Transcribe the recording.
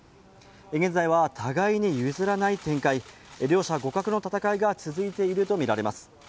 現在は互いに譲らない展開、両者互角の戦いが続いているとみられます。